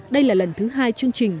đây là lần thứ hai chương trình